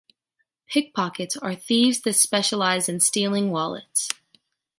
Pickpockets are thieves that specialize in stealing wallets.